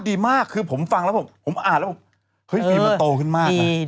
ดีมากคือผมฟังแล้วผมอ่านแล้วเฮ้ยฟิล์มันโตขึ้นมากนะ